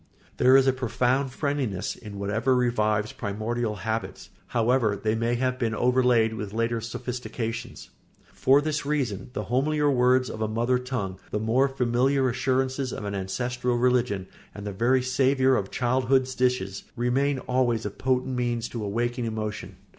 There is a profound friendliness in whatever revives primordial habits, however they may have been overlaid with later sophistications. For this reason the homelier words of a mother tongue, the more familiar assurances of an ancestral religion, and the very savour of childhood's dishes, remain always a potent means to awaken emotion.